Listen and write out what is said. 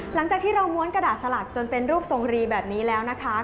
หลังจากที่เราม้วนกระดาษสลักจนเป็นรูปทรงรีแบบนี้แล้วนะคะ